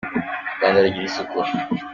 U Rwanda rugira isuku.